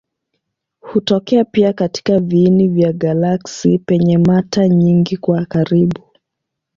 Hutokea pia katika viini vya galaksi penye mata nyingi kwa karibu.